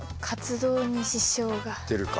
出るか。